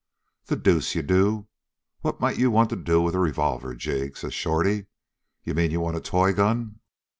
"'The deuce you do! What might you want to do with a revolver, Jig?' says Shorty. 'You mean you want a toy gun?'